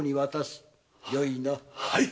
はい！